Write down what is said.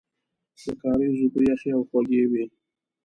د کاریز اوبه یخې او خوږې وې.